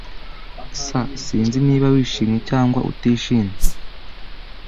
S Sinzi niba wishimye cyangwa utishimye.